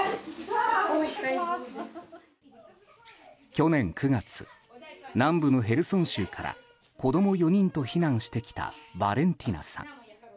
去年９月南部のヘルソン州から子供４人と避難してきたバレンティナさん。